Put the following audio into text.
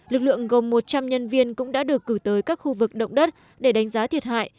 lực lượng gồm một trăm linh nhân viên cũng đã được cử tới các khu vực động đất để đánh giá thiệt hại